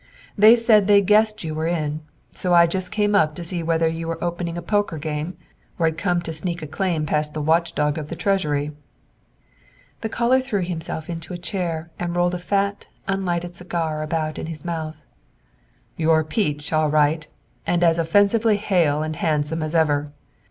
They said they guessed you were in, so I just came up to see whether you were opening a poker game or had come to sneak a claim past the watch dog of the treasury." The caller threw himself into a chair and rolled a fat, unlighted cigar about in his mouth. "You're a peach, all right, and as offensively hale and handsome as ever.